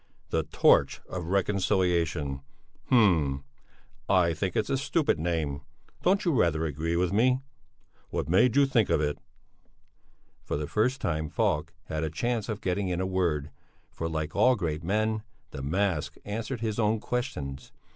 "The Torch of Reconciliation! Hm! I think it's a stupid name! Don't you rather agree with me? What made you think of it?" For the first time Falk had a chance of getting in a word, for like all great men, the mask answered his own questions.